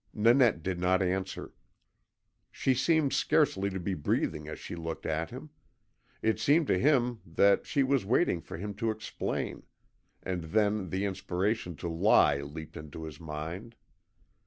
Nanette did not answer. She seemed scarcely to be breathing as she looked at him. It seemed to him that she was waiting for him to explain; and then the inspiration to lie leapt into his mind.